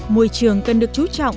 môi trường cần được chú trọng